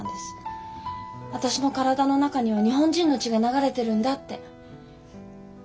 私の体の中には日本人の血が流れてるんだって。